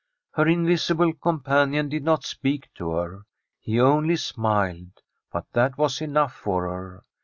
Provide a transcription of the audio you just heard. Her invisible companion did not speak to her, he only smiled. But that was enough for her.